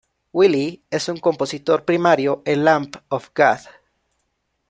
Willie es un compositor primario en Lamb of God.